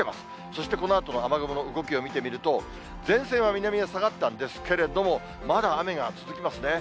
そしてこのあとの雨雲の動きを見てみると、前線は南へ下がったんですけれども、まだ雨が続きますね。